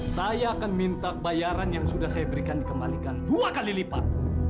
saya akan minta bayaran yang sudah saya berikan dikembalikan dua kali lipat